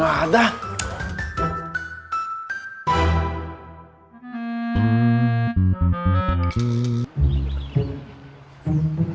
aduh gimana sih